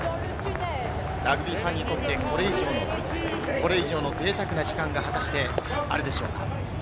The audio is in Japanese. ラグビーファンにとってこれ以上のぜいたくな時間が果たしてあるでしょうか。